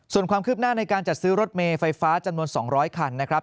ส่วนความคืบหน้าในการจัดซื้อรถเมย์ไฟฟ้าจำนวน๒๐๐คันนะครับ